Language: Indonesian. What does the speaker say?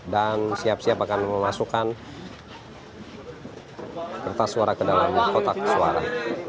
dan siap siap akan memasukkan kertas suara ke dalam kotak suara